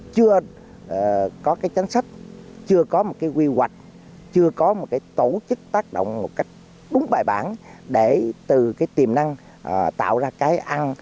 chưa có một tổ chức tác động một cách đúng bài bản để từ tiềm năng tạo ra cái ăn